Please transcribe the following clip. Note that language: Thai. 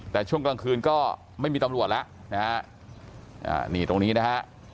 แต่ช่วงกลางคืนก็ไม่มีตำรวจแล้วนะฮะนี่ตรงนี้นะฮะ